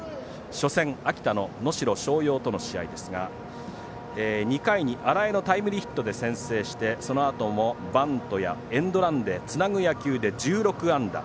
初戦、秋田の能代松陽との試合ですが２回に荒江のタイムリーヒットで先制してそのあともバントやエンドランでつなぐ野球で１６安打。